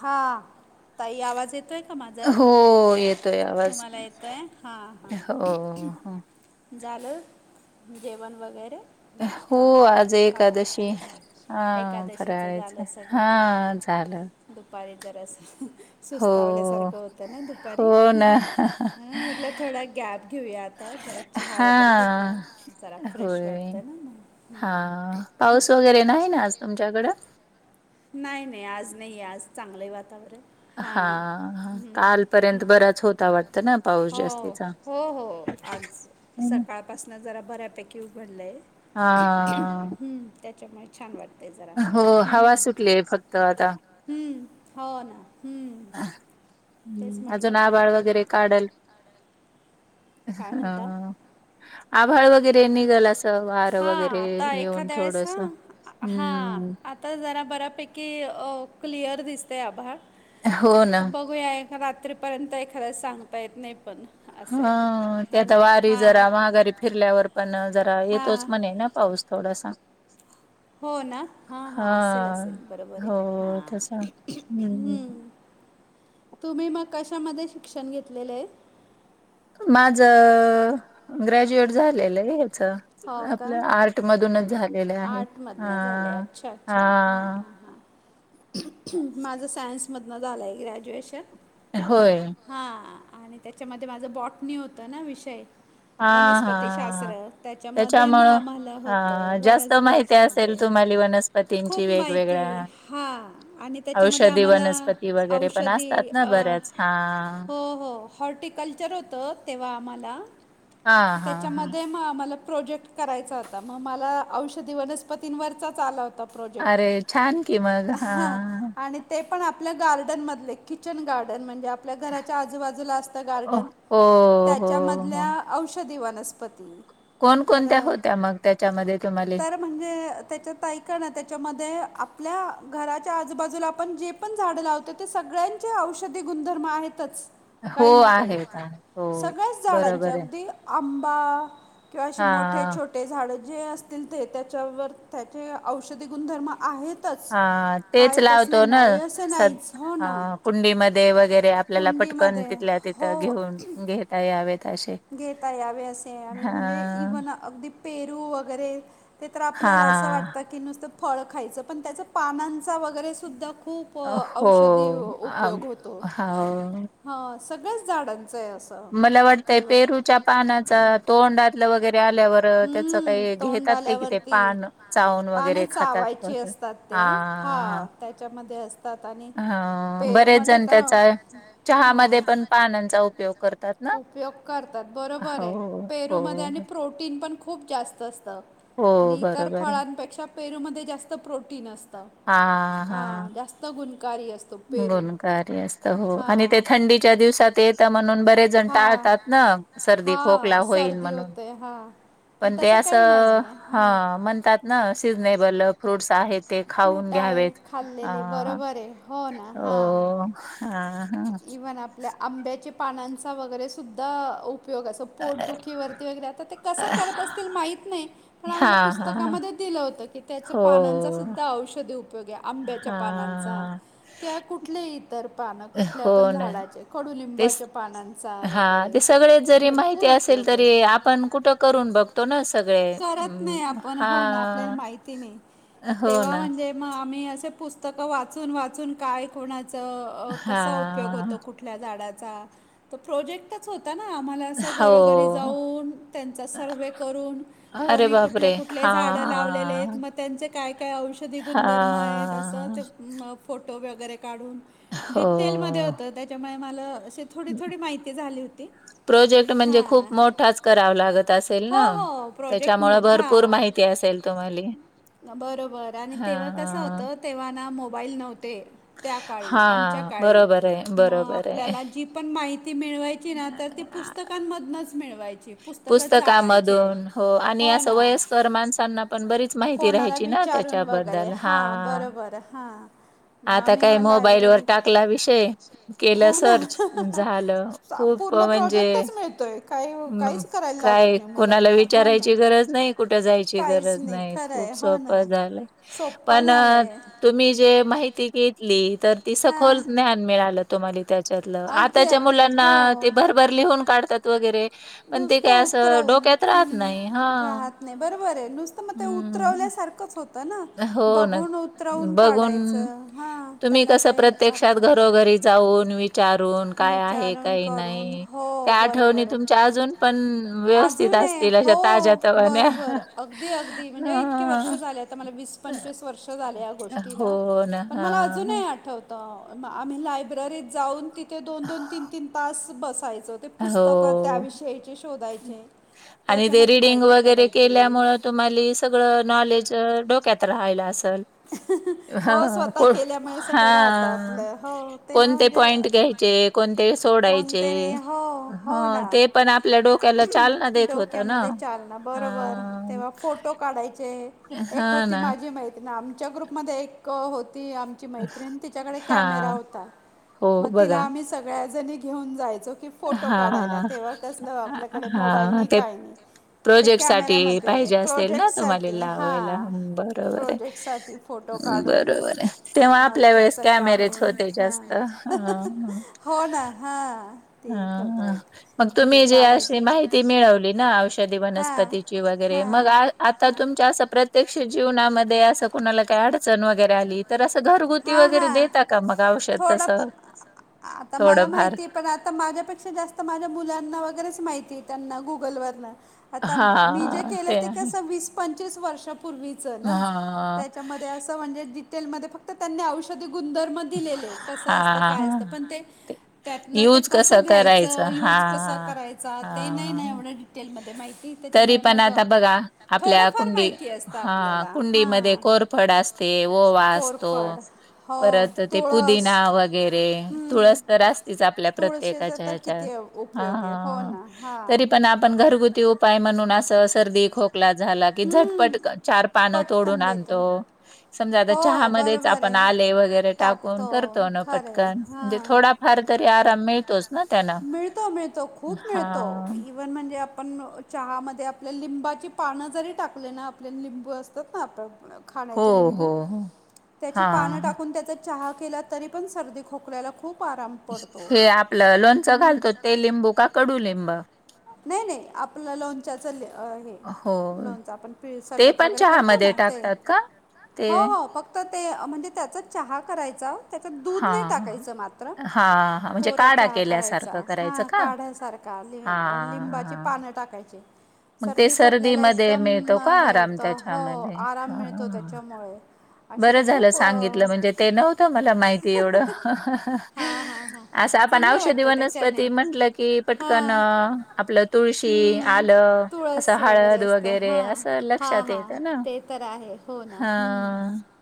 हां ताई आवाज येतो आहे का माझा? हो येतो या. तुम्हाला येतोय हा हा. हो हो झालं जेवण वगैरे. हो नाश्ता आज फराळ एकादशीय. सगळं हा झालं एकादशीचं फराळाच झालं सगळं हा हां झालं. दुपारी जरा अस हो सुस्तावल्यासारखं होतं ना दुपारी. हो ना हा म्हटलं थोडा गॅप घेऊया आता जरा चहा हा वगैरे घेतला. जरा फ्रेश होय वाटते ना. हा पाऊस वगैरे नाही ना आज तुमच्याकड. नाही नाही आज नाहीये आज चांगलंय वातावरण. हा हां कालपर्यंत बराच होता वाटत ना पाऊस हो जास्तीचा. हो हो आज सकाळ पासन जरा बऱ्यापैकी उघडलंय. हा हम्म, त्याच्यामुळे छान वाट हो हवा सुटली आहे फक्त आता. हम्म होव ना हम्म. तेच हम्म, म्हटलं अजून आबाळ वगैरे काल ह काय म्हणता हा आभळ व वगैरे निघल असं वारं हां वगैरे आता येऊन एखाद्या वेळेस थोडस हां हां हम्म. आता जरा बऱ्यापैकी क्लिअर अ दिसते आभाळ. हो ना. तर बघूया एका रात्रीपर्यंत एखाद्या सांगता येत नाही पण. असं हा आहे हे है आता ना वारी जरा हां महाघारी फिरल्यावर पण जरा येतोच हां म्हणे ना. पाऊस थोडासा. हो ना हां हा हां असेल असेल बरोबर आहे हो हां. तस हम्म हम्म, तुम्ही मग कशामध्ये शिक्षण घेतलेलं आहे. माझ ग्रॅज्युएट झालेलं आहे हेच आपल्या आर्ट आर्ट मधूनच झाल. आर्ट मधनं झाले अच्छा अच्छा हां हा हां हां. माझं सायन्समधनं झालंय ग्रॅज्युएशन. होय. हा आनी त्याच्यामद्ये माझं बॉट्नी होतं ना विषय. हां हां वनस्पतीशास्त्र त्याच्यामद्ये म त्याच्यामुळं आम्हाला होतं. हां जास्त वनस्प माहिती असेल त्याच्यामद्ये तुम्हाली वनस्पतींची खूप माहिती वेगवेगळ्या हा आणि त्याच्यामध्ये औषधी आम्हाला वनस्पती वगैरे पण औषधी असतात ना अ बऱ्याच हां. हो हो. हॉर्टिकल्चर होतं तेव्हा आमाला हां हां हां त्याच्यामद्ये म आमाला. प्रोजेक्ट करायचा होता म माला औषधी वनस्पतींनवरचाच आला होता. प्रोजेक्ट अरे छान की मग हां. आणि ते पण आपल्या गार्डन मधले किचन गार्डन म्हणजे आप पल्या घराच्या आजूबाजूला आसतं हो गार्डन हो त्याच्यामद ल्या औषधि वनस्पती. कोन तर कोन्त्या होत्या मग त्याच्यामद्ये तुमाल तर म्हणजे त्याच्यात ऐका ना त्याच्यामध्ये आपल्या घराच्या आजूबाजूला आपन जे पन झाड लावते ते सगळ्यांचे औषधी गुनधर्मं आहेतच. हो काई ना काई आहेत आहेत हो सगळ्याच झाडांच्या बरोबर आहे अगदी आंबा किंवा अशे मोठे- हां. छोटे झाड जे अस दीलते त्याच्यावर त्याचे औषधी गुणधर्म आहेत. अ तेच लावतो न असं सत नाहीच हो अ ना कुंडीमध्ये वगैरे आप आपल्याला पटकन, कुंडीमध्ये तितल्या तिथं हो घेऊन, घेता यावेत अशे घेता यावे असे आणी म्हणजे इव्हन अगदी पेरू वगैरे ते तर हा आपल्याला, असं वाटतं की, नुसतं फळ खायचं, पन त्याच पानांन चा वगैरे सुुद्दा खूप हो औषधी अ उपयोग होतो हो हा, सगळ्याच झाडांच आहे असं मला वाटतंय, पेरूच्या पानाचं, तोंडातलं वगैरे आल्यावर आलं अ बघा त्याच हम्म काई ते तोंड सगळं काढतात. घेतात, काय कि ते आल्यावरती पान, चावून पानं वगैरे खातात आ त्याच्यामद्ये अस अ, बरेच जन वड्या त्याचा, चालतात, हां चहामद्ये चहा पन पानांचा उपयोग करतात ना उपयोग करतात बरोबर हाय, हो हो पेरूमद्ये आनी प्रोटीन पन खूप जास्त असतं हो आणि इतर बरोबर आहे फळांपेक्षा पेरूमद्ये जास्त प्रोटीन असतं, हा हा जास्त गुणकारी अस्तं गुणकारी असतं हो, आणि ते थंडीच्या दिवसात येतं म्हणून बरे जण हां टाळतात ना, सर्दी हा खोकला होईन सर्दी म्हणून होते हा पण ते तसं काही नाही असं, आहे हां हा म्हणतात न, सिजनेबल फ्रूट्स आहेत. ते खाऊन फ्रूट आहे, घ्यावेत. खाल्लेले, हा बरोबर आहे, हो ना, हा हो हा, हा आपल्या आंब्याच्या पानांचा वगैरे सुद्धा ऊप ऊपयोग असं, पोटदुखीवरती वगैरे, आता ते कसं करत असतील माहित नाई पण हा आम्हाला हा पुस्तकामद्ये दिलं होतं, की त्याचे हो पानांचा सुद्धा औषधी ऊप उपयोग आहे आंब्याच्या हा पानांचा किंवा कुठलेही इतर पानं कु हो न, तेच, पानांचा हा वगैरे ते सगळेच जरी माहिती भरपूर असेल उपयोग आहे तरी आपण कुटं करून बग तो ना सगळे, करत नाही आपण हो ना आपल्याला हा, माहिती नाही हो तेव्हा ना म्हणजे मग आम्ही असे, पुस्तकं वाचून, वाचून, काय कोणाचं, अ कसा उपयोग हां, होतो, कु कुठल्या झाडाचा, तो प्रोजेक्ट? टच होता ना, आम्हाला असं हो. घरोघरी जाऊन, त्यांचा सर्वे करून अरे कोणी कुठले, बापरे! कुठले झाडं लावलेले आहेत, हां, म त्यांचे काय, काय औषधी गुणधर्म आहेत? असं हां. ते म फोटो वगैरे काढून डिटेलमध्ये हो. होतं, त्याच्यामुळे मला, अशी थोडी, थोडी माहिती झाली होती. प्रोजेक्ट म्हणजे हां खूप मोठाच करावा लागत असेल हो न, हो प्रोजेक्ट त्याच्यामुळे भरपूर माहिती ते असेल तुम्हाला. बरं, बरं आणि तेंव्हा कसं हां, होतं, तेंव्हा ना मोबाईल नव्हते. त्या काळी, आमच्या हां. काळी बरोबर आहे, म बरोबर आहे. आपल्याला जी पण माहिती मिळवायची ना, तर ती पुस्तकांमधनच मिळवायची. पुस्तकं चाळायचे पुस्तकामधून हो आणि अस वयस्कर माणसांना पण बरी माहिती कोणाला राहायची ना, विचारून वगैरे त्याच्याबद्दल, हा हां बरोबर हां मग आता आम्ही काय मग मोबाईलवर लायब्ररीत टाकला विषय, केलं हो ना सर्च, झालं. चा- खूप पूर्ण म्हणजे प्रोजेक्टच मिळतोय काही हम, काहीच करायला काय लागत नाही कोणाला मुलांना हो ना विचारायची गरज नाही, कुठं जायची काहीच गरज नाही, खरं आहे खूप हो ना सोपं झालंय, सोपं पण झालंय तुम्ही जे माहिती घेतली, तर ती सखोल हां ज्ञान मिळालं. तुम्हाला त्याच्यातलं अगदी आताच्या अगदी मुलांना हो ते भरभर लिहून काढतात वगैरे पण ते नुसतं काय असं उतरवून डोक्यात राहत हम्म नाही हा राहत नाही बरोबर आहे नुसत मग ते हम्म उतरवल्यासारखंच होत ना हो ना. बघून उतरवून बघून काढायचं हा तुम्ही त्याला कसं काही प्रत्यक्षात अर्थ नाही. घरोघरी जाऊन वि चारून काय आहे विचारून काही करून नाही हो त्या बरोबर आठवणी आहे. तुमच्या अजून पण व्यवस्थित अजून आहे असतील अशा हो ताज्या तवान्या बरोबर अगदी अगदी म्हणजे इतके वर्ष ह झाले आता मला वीस पंचवीस वर्ष झाले या गोष्टीला हो ना. पण मला हां. अजूनही आठवत. आम्ही लायब्ररीत जाऊन तिथे दोन दोन तीन तीन तास बसायचो. ते हो. पुस्तकं त्याविषयीची शोधायचे आणि ते त्याच्यामधली रीडिंग माहिती वगैरे काढायची. केल्यामुळं तुम्हाला हे सगळं नॉलेज डोक्यात राहायला असलं. [unintelligible] हो स्वतः केल्यामुळे सगळं राहत हां. आपलं हो तेव्हा कोणते म्हणजे पॉइंट घ्यायचे, कोणते कोणते सोडायचे. नाही हो हो ना हं, ते पण आपल्या डोक्याला चालना देत होतं ना. डोक्यामध्ये चालना अ, बरोबर तेव्हा फोटो काढायचे एक हां होती ना. माझी मैत्रीण आमच्या ग्रुपमध्ये एक होती. ची मैत्रीण तिच्याकडे कॅमेरा हां, होता हो मग तिला बघा. आम्ही सगळ्या जनी घेऊन जायचो की फोटो काढायला हां, तेव्हा कसल अ, आपल्याकडे मोबाईल हां, नाही ते काय नाही. ते प्रोजेक्टसाठी कॅमेऱ्यामध्ये पाहिजे असेल प्रोजेक्ट ना तुम्हाला साठी हा लावायला. हं, बरोबर आहे. प्रोजेक्ट साठी. फोटो अं, काढून बरोबर आहे. तेव्हा मग आपल्या त्याच वेळेस कॅमेरेच काढून होते जास्त. हां, ह हो ना हा. ह मग तुम्ही जे अशी माहिती मिळवली ना औषधी ना हां वनस्पतीची वगैरे मग हां आ आता तुमच्या असा प्रत प्रत्यक्ष जीवनामध्ये असं कोणाला काही अडचण वगै वगैरे आली तर अस घरगुती हा हा वगैरे देता का? मग औषध थोडं तसं आता मला थोडंफार? माहितीय पण आता माझ्यापेक्षा जास्त माझ्या मुलांना वगैरेच माहिती आहे त्यांना गुगलवरन. आता मी जे हां, केलं ते आहे. कस वीस-पंचवीस वर्षापूर्वीच. च ना हां, त्याच्यामध्ये म्हणजे असं डिटेल मध्ये फक्त औषधी गुणधर्मच म दिलेलं कसं असत काय असतं हां. पण ते? त्यातन ते यूज कसं करायचं? घ्यायचं? युज कसं हां, करायचा ते नाही नाही हां. एवढं डिटेलमध्ये माहिती तरी त्याच्यामुळे पण मग आता बघा आपल्या थोडंफार कुंडी माहिती असतं आपल्याला हा फड असते ओवा असतो. कोरफड हो परत ते पुदिना तुळस वगैरे हम्म, तुळस तर असतीच आपल्या तुळशीचा प्रत्येकाच्या तर हेच्यात किती हा उपयोग आहे हो हा ना हां तरी पण आपण घरगुती उपाय म्हणून अस सर्दी खोक खोकला झाला की झटपट चार पानं पटकन ताक तोडून देतो आणतो. टाकून समजा आता हो आप- ताक चहामध्येच बरोबर आपण आहे टाकायचं, आले वगैरे एक टाकून टाकतो करतो ना खरं पटकन म्हणजे हां थोडाफार तरी आराम मिळतोच ना त्याला टा हा. इव्हन म्हणजे आपण चहामध्ये आपल्या लिंबाची पानं जरी टाकले, ना आपल्या लिंबू असतात ना आपण हो हो हो. त्याची हा पानं टाकून त्याचा चहा केला तरी पण सर्दी खोकल्याला ख खूप आराम पडतो. हे आपलं लोणचं घालतो ते लिंबू का कडुलिंब? नाही नाही आपल्या लोन हो लोनच्याच आपण पळ ते सरबत पण वगैरे करतो चहामध्ये ना ते. टाकतात का? हो ते हो फक्त ते म्हणजे त्याचाच चहा करायचा. त्याच्यात दूध नाही हां, हां. टाकायचं मात्र हां, हां. म्हणजे कोरा काढा चहा कायचा केल्यासारखं करायचं हा का? काढ्या सारखा का हां, लिंबाची हां. पाने टाकायची. मग ते सर्दी खोकल्याला सर्दीमध्ये मिळतो एकदम का हे आराम होतं हो त्याच्यामध्ये? आराम मिळतो हां. त्याच्यामुळे. असे बरं झालं खूप सांगितलं अं, म्हणजे ते नव्हतं मला माहिती एवढं. हा हा हा असं आपण चांगलं औषधी वाटतं त्याच्याने वनस्पती म्हंटलं कि पटकन हां आपलं तुळशी हम्म आलं असं तुळस वगैरे हळद असतं वगैरे हां असं हां लक्षात हां येत ना ते तर आहे हो ना हा. हम्म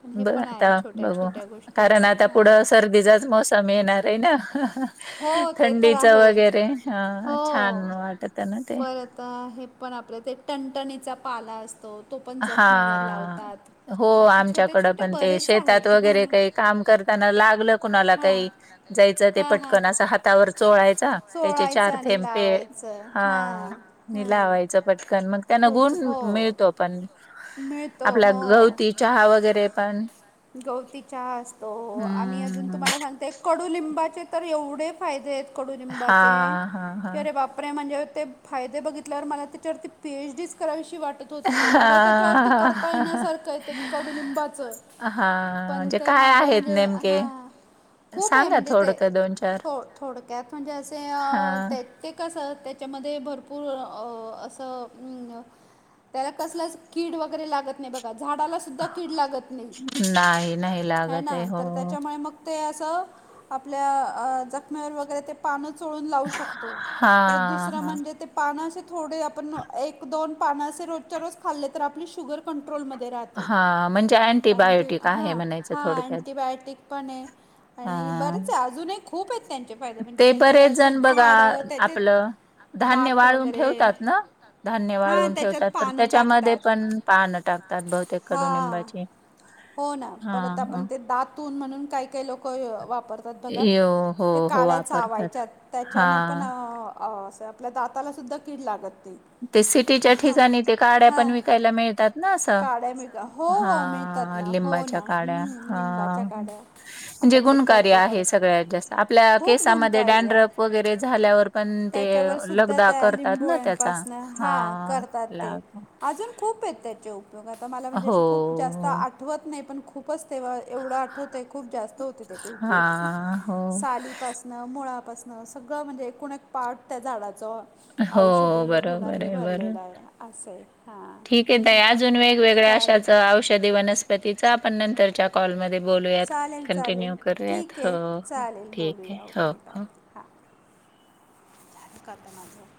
पण हे बरं पण आहे आता छोट्या बघू छोट्या गोष्टी कारण असं आता हां पुढं सर्दीचाच मोसम येणार आहे ना. हो ते तर थंडीच आहे वगैरे अ छान वाटत आहे ना ते. आता हे पण आपलं ते टणटणीचा पाला असतो तो पण हा जखमेवर लावतात. हो असे छोटे आमच्याकडं छोटे पण ते बरेच शेतात आहेत हा वगैरे काही काम करताना लागलं कुणाला काही. जायचं ते पटकन असं हातावर चोळायचा. त्याचे चोळायचं चार आणि थेंपे लावायचं हा हां आणि हां लावायचं पटकन मग. त्यांना गुण खूप हो मिळतो पण मिळतो आपल्या हो. गवती चहा वगैरे पण गवती चहा असतो आम्ही अजून हम्म तुम्हाला सांगते कडुलिंबाचे तर एवढे फायदे आहेत कडुलिंबाचे हां, हां, की हां. अरे बापरे म्हणजे ते फायदे बघितल्यावर मला त्याच्यावरती पी एच डीच करायशी वाटत होती एवढं त्याच्यावरती हां. कर्तव्यासारखे येण्यासारखं कडुलिंबाचं. हां, पण म्हणजे ते काय माझं आहेत म्हणजे नेमके? हा. खूप आहे सांगा म्हणजे ते थोडकं थो थोडक्यात म्हणजे असे हां. ते. ते कसं त्याच्यामध्ये असं त्याला कसलाच कीड वगैरे लागत नाही बघा झाडाला कीड लागत नाही नाही, नाही हाय लागत ना आहे. हो. तर त्याच्यामुळे मग ते असं आपल्या जखमेवर वगैरे ते पानं चोळून लावू शकतो परत हां, दुसरं हां. म्हणजे ते पान असे थोडे आपण एक दोन पानं असे रोजच्या रोज खाल्ले तर आपले शुगर कंट्रोलमध्ये राहते हां, म्हणजे कारण ते अँटिबायोटिक आहे म्हणायचं हा थोडक्यात. अंटीबायोटिक पण आहे. आणि बरेच हां. आहे अजून एक ते बरेच जण बघा झाडं त्याचे आपलं धान्य दात वाळून वगैरे ठेवतात ना धान्य हां वाळून त्याच्यात ठेवतात तर पानं त्याच्यामध्ये टाकतात त्याच्यामध्ये पण पानं टाकतात बहुतेक हां कडुनिंबाची हो ना हा परत आपण हा. ते दातून म्हणून काही काही लोक वापरतात. बघा येव ते हो, हो काड्या वापरतात. चावायच्या याच्याने पण हां, अस आपल्या दातालासुद्धा कीड लागत नाही. ते सिटीच्या ठिकाणी ते काड्या हां पण विकायला मिळतात ना असं काड्या मिळतात हो हो मिळतात हा ना हो लिंबाच्या ना काड्या हम्म हा. लिंबाच्या काड्या आपण ते करतो करतो सगळ्यात जास्त आपल्या खूप केसामध्ये गुणकारी आहे. डॅनड्रफ वगैरे झाल्यावर पण ते त्याच्यावर सुद्धा लगदा त्या करतात ना लिंबोळ्या त्याचा पासून हां. करतात ते लाव अजून खूप आहेत त्याचे उपयोग. आता मला म्हणजे हो, असे खूप जास्त आट वत नाही पण खू खूपच तेव्हा एवढं आठवतंय खूप जास्त होते त्याचा उपयोग. हां, हो. सालीपासून न मुळापासन सगळं म्हणजे एकूण एक पार्ट त्या झाडाचं हो औषधी बरोबर गुणांनी आहे, बरोबर. भरलेला आहे असंय. ठीक आहेे ताई अजून वेगवेगळ्या चालेल. अशाच औषधी वनस्पतीच आपण नंतरच्या कॉलमध्ये बोलूयात चालेल बोलूया. कंटिन्यू चालेल करूयात ठीक आहे हो हो चालेल ठीक आहे बोलूया हो ओके बाय हो. मी करते माझं.